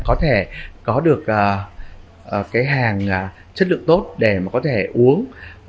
có thể có được cái hàng chất lượng tốt để mà có thể uống